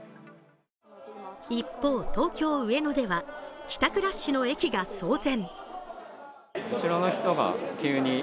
一方、東京・上野では帰宅ラッシュの駅が騒然。